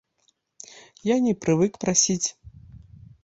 Я не прывык прасіць.